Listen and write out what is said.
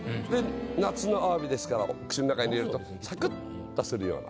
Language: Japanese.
夏のアワビですから口の中に入れるとさくっとするような。